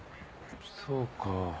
そうか。